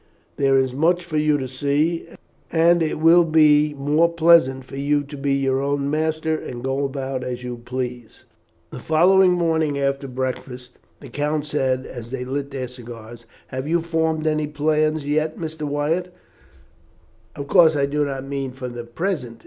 There is much for you to see, and it will be more pleasant for you to be your own master and go about as you please." The following morning, after breakfast, the count said, as they lit their cigars, "Have you formed any plans yet, Mr. Wyatt? Of course I do not mean for the present.